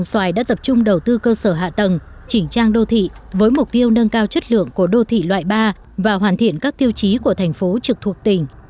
xoài đã tập trung đầu tư cơ sở hạ tầng chỉnh trang đô thị với mục tiêu nâng cao chất lượng của đô thị loại ba và hoàn thiện các tiêu chí của thành phố trực thuộc tỉnh